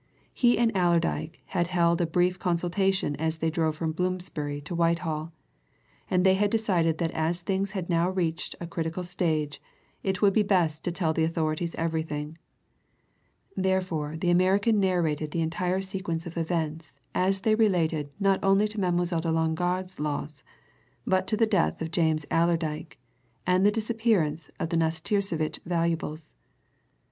He and Allerdyke had held a brief consultation as they drove from Bloomsbury to Whitehall, and they had decided that as things had now reached a critical stage it would be best to tell the authorities everything. Therefore the American narrated the entire sequence of events as they related not only to Mademoiselle de Longarde's loss but to the death of James Allerdyke and the disappearance of the Nastirsevitch valuables.